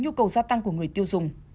nhu cầu gia tăng của người tiêu dùng